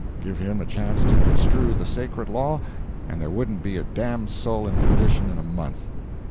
Give him a chance to construe the sacred law, and there wouldn't be a damned soul in perdition in a month.